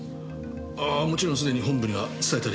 ああもちろんすでに本部には伝えてあります。